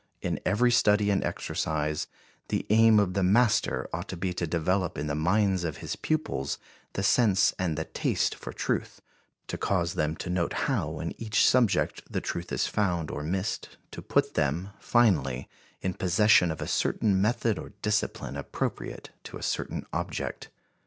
In every study and exercise, the aim of the master ought to be to develop in the minds of his pupils the sense and the taste for truth, to cause them to note how in each subject the truth is found or missed, to put them, finally, in possession of a certain method or discipline appropriate to a certain object.